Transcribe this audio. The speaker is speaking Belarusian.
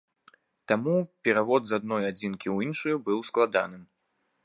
Таму перавод з адной адзінкі ў іншую быў складаным.